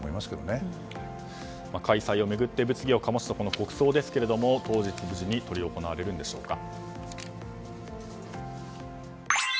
開催を巡って物議を醸した国葬ですけども当日無事に執り行われるんでしょうか。